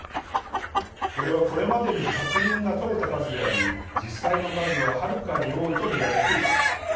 これはこれまでに確認が取れた数であり実際の数は、はるかに多いと見られています。